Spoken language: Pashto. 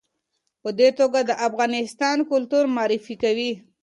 په دې توګه د افغانستان کلتور معرفي کوي.